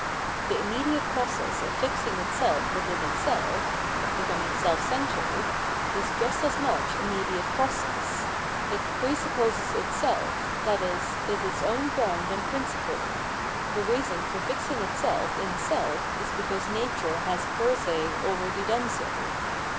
The immediate process of fixing itself within itself, of becoming self centred, is just as much a mediate process : it presupposes itself, i.e. is its own ground and principle : the reason for fixing itself in self is 793 Revealed Religion because nature has fer se already done so.